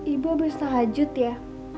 ibu bersahajud ya